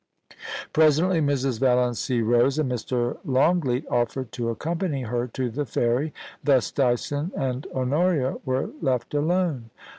Presently Mrs. Valiancy rose, and Mr. Longleat offered to accompany her to the ferry ; thus Dyson and Honoria were left alone.